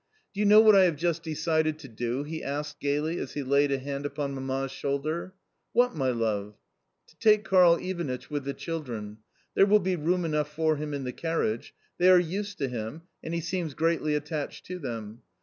"Do you know what I have just decided to do?" he asked gaily as he laid a hand upon Mamma's shoulder. "What, my love?" "To take Karl Ivanitch with the children. There will be room enough for him in the carriage. They are used to him, and he seems greatly attached to them.